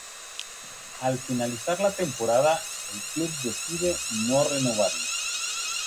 Al finalizar la temporada, el club decide no renovarle.